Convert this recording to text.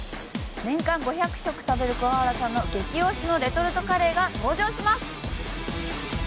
年間５００食食べる桑原さんの激推しのレトルトカレーが登場します！